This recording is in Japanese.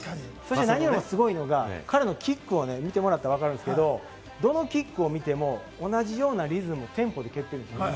何よりもすごいのが彼のキックを見てもらったら分かるんですけれども、どのキックを見ても同じようなリズム・テンポで蹴っている。